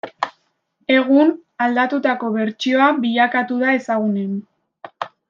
Egun, aldatutako bertsioa bilakatu da ezagunen.